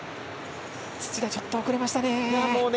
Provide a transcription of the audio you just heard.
土田、ちょっと遅れましたね。